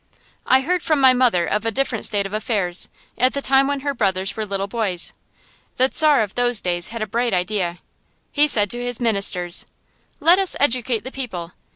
I heard from my mother of a different state of affairs, at the time when her brothers were little boys. The Czar of those days had a bright idea. He said to his ministers: "Let us educate the people.